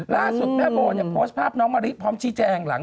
ล่าสุดแม่โบเนี่ยโพสต์ภาพน้องมะลิพร้อมชี้แจงหลัง